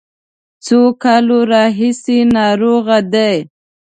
څو کالو راهیسې ناروغه دی.